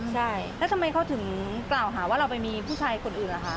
ใช่แล้วทำไมเขาถึงกล่าวหาว่าเราไปมีผู้ชายคนอื่นล่ะคะ